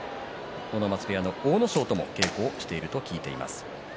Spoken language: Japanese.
すでに阿武松部屋の阿武咲とも稽古をしていると聞いています。